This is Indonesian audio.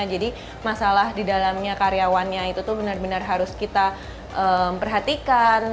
jadi masalah di dalamnya karyawannya itu tuh benar benar harus kita perhatikan